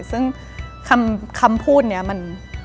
ซึ่งคำพูดนี้มัน